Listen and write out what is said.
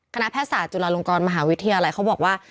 คณะแพทย์ศาสน์จุฬลลงกรมหาวิทยาบอกว่า